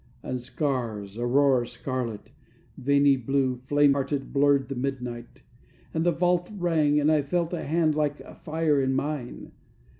And scars, Aurora scarlet, veiny blue, Flame hearted, blurred the midnight; and The vault rang; and I felt a hand Like fire in mine.